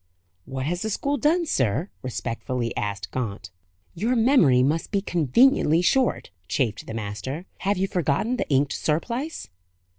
"What has the school done, sir?" respectfully asked Gaunt. "Your memory must be conveniently short," chafed the master. "Have you forgotten the inked surplice?"